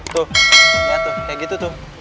tuh ya tuh kayak gitu tuh